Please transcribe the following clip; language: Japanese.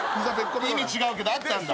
意味違うけどあったんだ。